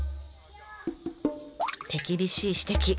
手厳しい指摘。